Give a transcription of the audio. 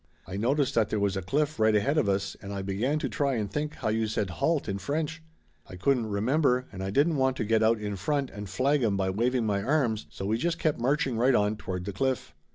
I noticed that there was a cliff right ahead of us and I began to try and think how you said 'halt' in French. I couldn't remember and I didn't want to get out in front and flag 'em by waving my arms, so we just kept marching right on toward the cliff.